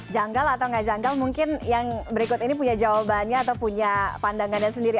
janggal atau nggak janggal mungkin yang berikut ini punya jawabannya atau punya pandangannya sendiri